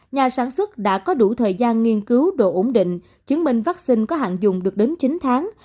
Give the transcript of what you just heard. nhà sản xuất đã có đủ thời gian nghiên cứu đồ ổn định chứng minh vaccine có hạn dùng được đến chín tháng